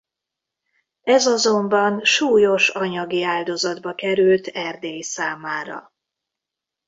Ez azonban súlyos anyagi áldozatba került Erdély számára.